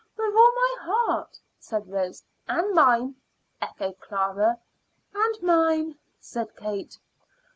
"With all my heart," said Rose. "And mine," echoed Clara. "And mine," said Kate.